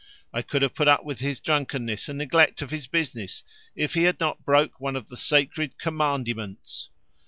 I could have put up with his drunkenness and neglect of his business, if he had not broke one of the sacred commandments.